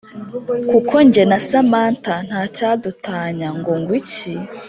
kuko njye na samantha ntacyadutanya ngo ngwiki